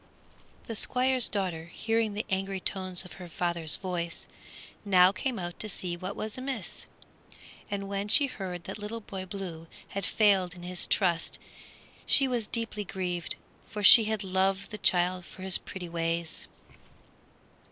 The Squire's daughter, hearing the angry tones of her father's voice, now came out to see what was amiss, and when she heard that Little Boy Blue had failed in his trust she was deeply grieved, for she had loved the child for his pretty ways.